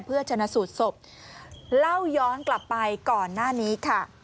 เพื่อชนะสูตรศพเล่าย้อนกลับไปก่อนหน้านี้ค่ะ